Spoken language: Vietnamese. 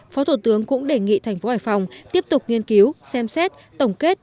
phó thủ tướng cũng đề nghị thành phố hải phòng tiếp tục nghiên cứu xem xét tổng kết